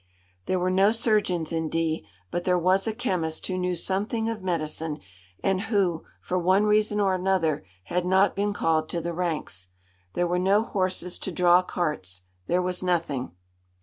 There were no surgeons in D , but there was a chemist who knew something of medicine and who, for one reason or another, had not been called to the ranks. There were no horses to draw carts. There was nothing.